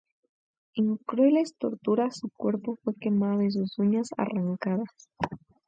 En crueles torturas su cuerpo fue quemado y sus uñas arrancadas.